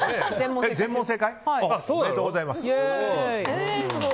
全問正解おめでとうございます。